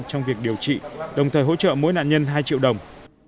trong việc điều trị đồng thời hỗ trợ mỗi nạn nhân hai triệu đồng